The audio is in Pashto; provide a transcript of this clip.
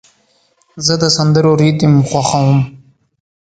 زه د سندرو ریتم خوښوم.